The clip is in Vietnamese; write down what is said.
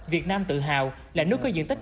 việt nam tự hào là nước có diện tích